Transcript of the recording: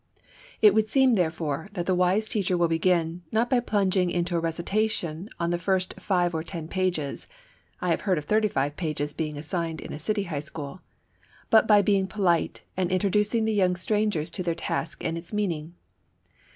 It would seem, therefore, that the wise teacher will begin, not by plunging into a recitation on the first five or ten pages (I have heard of thirty five pages being assigned in a city high school), but by being polite, and introducing the young strangers to their task and its meaning.